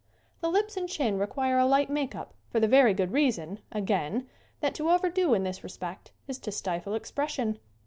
The lips and chin require a light make up for the very good reason, again, that to overdo in this respect is to stifle expression.